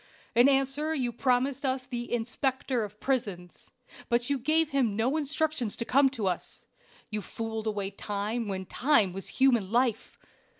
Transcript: "In answer you promised us the 'Inspector of Prisons,' but you gave him no instructions to come to us. You fooled away time when time was human life.